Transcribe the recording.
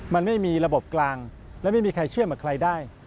มันไม่มีระบบกลางและไม่มีใครเชื่อมกับใครได้